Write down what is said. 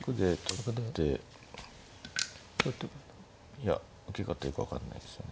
いや受け方よく分かんないですね。